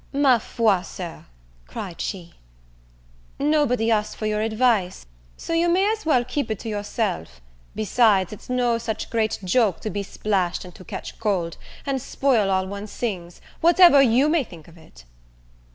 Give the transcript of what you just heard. "Ma foi, Sir," cried she, "nobody asked for your advice, so you may as well keep it to yourself: besides, it's no such great joke to be splashed, and to catch cold, and spoil all one's things, whatever you may think of it."